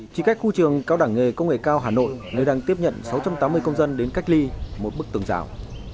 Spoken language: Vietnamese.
chỉ cách khu trường cao đẳng nghề công nghệ cao hà nội nơi đang tiếp nhận sáu trăm tám mươi công dân đến cách ly một bức tường rào